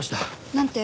なんて？